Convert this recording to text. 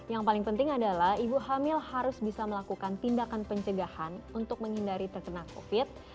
yang paling penting adalah ibu hamil harus bisa melakukan tindakan pencegahan untuk menghindari terkena covid